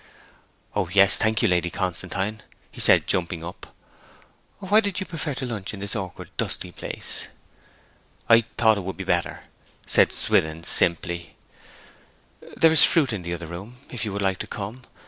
'O yes, thank you, Lady Constantine,' he said, jumping up. 'Why did you prefer to lunch in this awkward, dusty place?' 'I thought it would be better,' said Swithin simply. 'There is fruit in the other room, if you like to come.